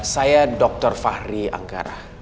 saya dokter fahri anggara